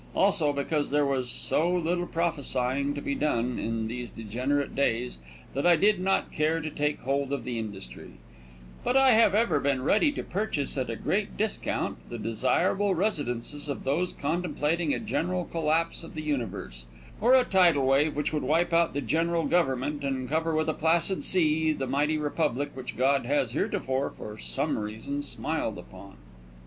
Also because there was so little prophesying to be done in these degenerate days that I did not care to take hold of the industry; but I have ever been ready to purchase at a great discount the desirable residences of those contemplating a general collapse of the universe, or a tidal wave which would wipe out the general government and cover with a placid sea the mighty republic which God has heretofore, for some reason, smiled upon.